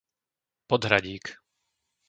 Podhradík